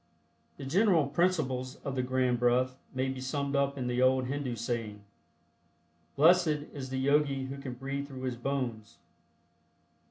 The general principles of the Grand Breath may be summed up in the old Hindu saying: "Blessed is the Yogi who can breathe through his bones."